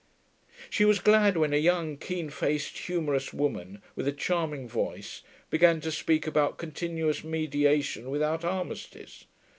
She was glad when a young, keen faced, humorous woman, with a charming voice, began to speak about Continuous Mediation without Armistice.